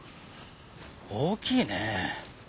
大きいね。